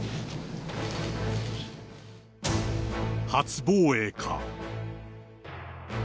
初防衛か。